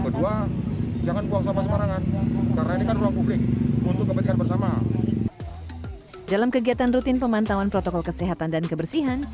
dalam kegiatan rutin pemantauan protokol kesehatan dan kebersihan